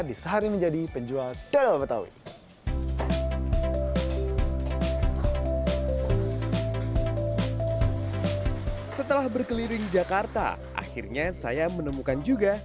di sehari menjadi penjual dodol betawi setelah berkeliling jakarta akhirnya saya menemukan juga